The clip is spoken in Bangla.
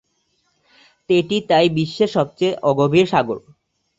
এটি তাই বিশ্বের সবচেয়ে অগভীর সাগর।